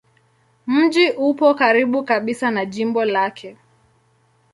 Mji upo karibu kabisa na jimbo lake.